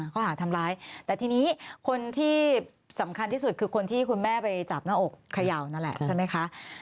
ข้อหาทำร้ายแต่ทีนี้คนที่สำคัญที่สุดคือคนที่คุณแม่ไปจับหน้าอกเขย่านั่นแหละใช่ไหมคะ